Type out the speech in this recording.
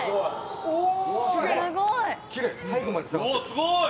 「すごい！」